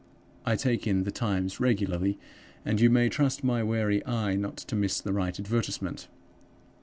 I take in The Times regularly, and you may trust my wary eye not to miss the right advertisement.